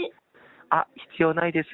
あっ、必要ないです。